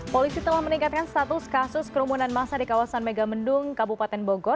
polisi telah meningkatkan status kasus kerumunan masa di kawasan megamendung kabupaten bogor